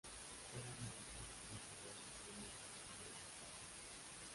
Era nieto de Isabel I de Mallorca.